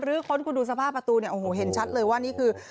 ค้นคุณดูสภาพประตูเนี่ยโอ้โหเห็นชัดเลยว่านี่คือ